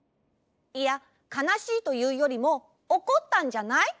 いやかなしいというよりもおこったんじゃない？